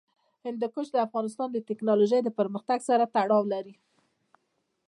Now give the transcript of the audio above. هندوکش د افغانستان د تکنالوژۍ پرمختګ سره تړاو لري.